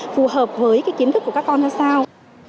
phù hợp với cái kiến thức của các con ra sao